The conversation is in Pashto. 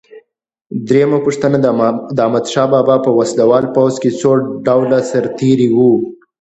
درېمه پوښتنه: د احمدشاه بابا په وسله وال پوځ کې څو ډوله سرتیري وو؟